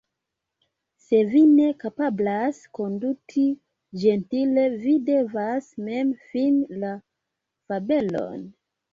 Se vi ne kapablas konduti ĝentile, vi devas mem fini la fabelon.